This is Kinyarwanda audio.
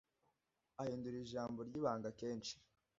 ahindura ijambo ryibanga kenshi.